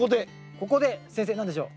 ここで先生何でしょう？